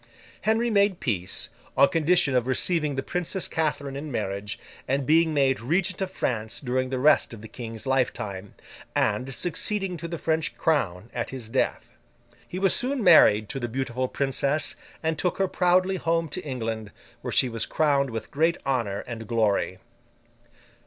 Henry made peace, on condition of receiving the Princess Catherine in marriage, and being made Regent of France during the rest of the King's lifetime, and succeeding to the French crown at his death. He was soon married to the beautiful Princess, and took her proudly home to England, where she was crowned with great honour and glory.